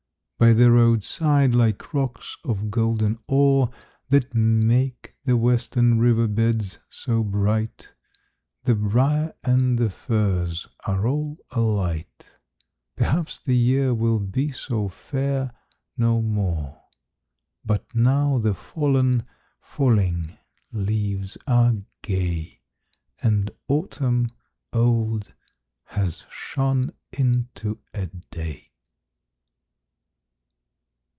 By the roadside, like rocks of golden ore That make the western river beds so bright, The briar and the furze are all alight! Perhaps the year will be so fair no more, But now the fallen, falling leaves are gay, And autumn old has shone into a Day!